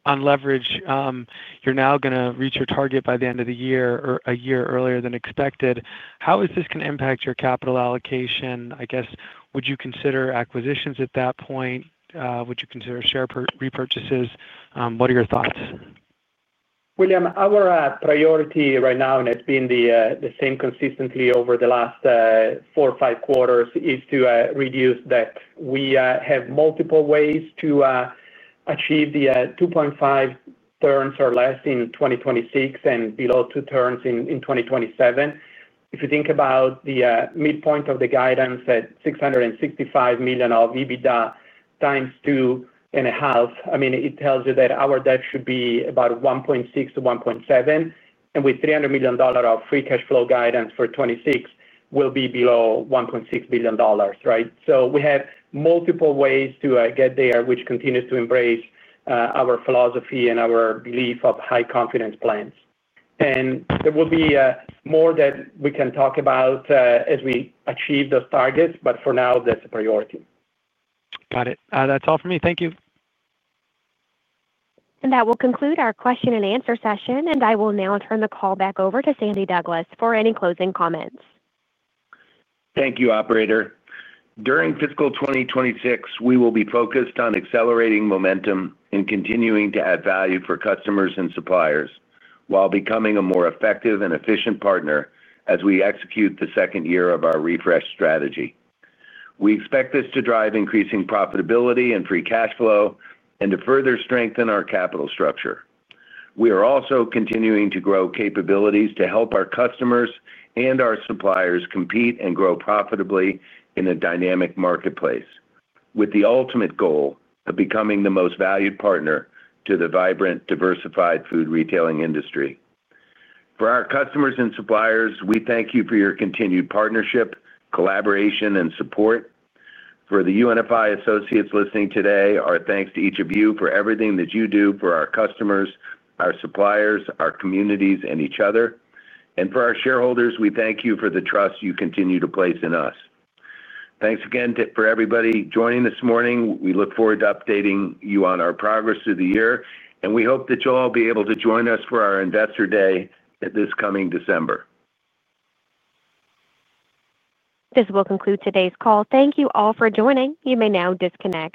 on leverage, you're now going to reach your target by the end of the year or a year earlier than expected. How is this going to impact your capital allocation, I guess. Would you consider acquisitions at that point? Would you consider share repurchases? What are your thoughts? William, our priority right now, and it's been the same consistently over the last four or five quarters, is to reduce debt. We have multiple ways to achieve the 2.5 turns or less in 2026 and below 2 turns in 2027. If you think about the midpoint of the guidance at $665 million of EBITDA times two and a half, it tells you that our debt should be about $1.6 billion - $1.7 billion. With $300 million of free cash flow, guidance for 2026 will be below $1.6 billion. We have multiple ways to get there, which continues to embrace our philosophy and our belief of high confidence plans. There will be more that we can talk about as we achieve the targets. For now, that's a priority. Got it. That's all for me. Thank you. That will conclude our question and answer session. I will now turn the call back over to Sandy Douglas for any closing comments. Thank you, operator. During fiscal 2026, we will be focused on accelerating momentum and continuing to add value for customers and suppliers while becoming a more effective and efficient partner. As we execute the second year of our refresh strategy, we expect this to drive increasing profitability and free cash flow and to further strengthen our capital structure. We are also continuing to grow capabilities to help our customers and our suppliers compete and grow profitably in a dynamic marketplace with the ultimate goal of becoming the most valued partner to the vibrant, diversified food retailing industry for our customers and suppliers. We thank you for your continued partnership, collaboration, and support for the UNFI associates listening today. Our thanks to each of you for everything that you do for our customers, our suppliers, our communities, and each other. For our shareholders, we thank you for the trust you continue to place in us. Thanks again for everybody joining this morning. We look forward to updating you on our progress through the year, and we hope that you'll all be able to join us for our Investor Day this coming December. This will conclude today's call. Thank you all for joining. You may now disconnect.